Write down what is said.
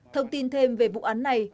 thông tin thêm về vụ án này